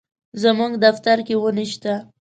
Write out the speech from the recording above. زموږ دفتر کي وني شته.